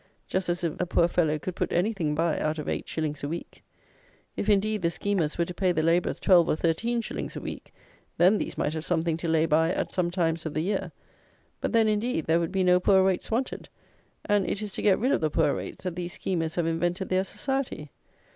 Just as if a poor fellow could put anything by out of eight shillings a week! If, indeed, the schemers were to pay the labourers twelve or thirteen shillings a week; then these might have something to lay by at some times of the year; but then, indeed, there would be no poor rates wanted; and it is to get rid of the poor rates that these schemers have invented their society.